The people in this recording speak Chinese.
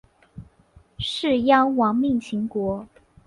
士鞅亡命秦国。